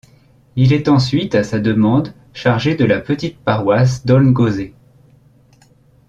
Il est ensuite, à sa demande, chargé de la petite paroisse d'Aulne-Gozée.